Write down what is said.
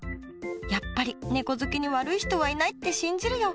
やっぱりねこ好きに悪い人はいないって信じるよ。